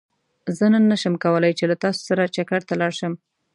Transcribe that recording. زه نن نه شم کولاي چې له تاسو سره چکرته لاړ شم